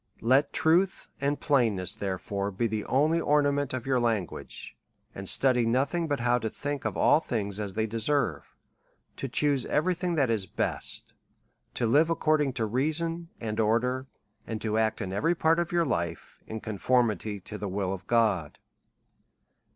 Let truth and ])lainness, therefore, be the only or nament of your language, and study nothing but how to think of all things as they deserve, to chuse every thing that is best, to live according to reason and or der, and to act in every part of your life, in conformity to the will of God.